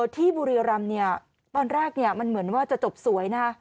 ที่บุรีรำเนี่ยตอนแรกมันเหมือนว่าจะจบสวยนะฮะ